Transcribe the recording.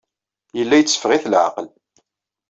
Yella yetteffeɣ-it leɛqel.